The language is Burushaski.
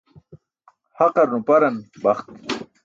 Haqar nuparan baxt.